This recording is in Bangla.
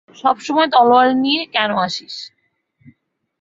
সবসময় তলোয়ার কেন নিয়ে আসিস?